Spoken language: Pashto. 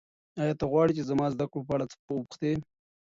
ایا ته غواړې چې زما د زده کړو په اړه څه وپوښتې؟